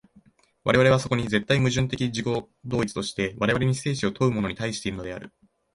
我々はそこに絶対矛盾的自己同一として、我々に生死を問うものに対しているのである。